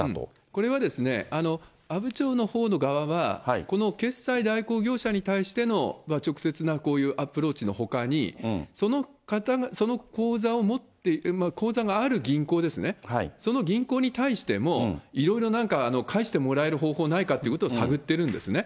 これは、阿武町のほうの側は、この決済代行業者に対しての直接なこういうアプローチのほかに、その口座がある銀行ですね、その銀行に対しても、いろいろ返してもらえる方法ないかということを探ってるんですね。